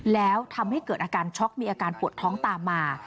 แล้วทำให้เกิดอาการช็อกมีอาการปวดท้องตามมา